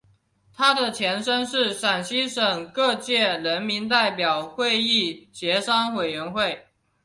它的前身是陕西省各界人民代表会议协商委员会。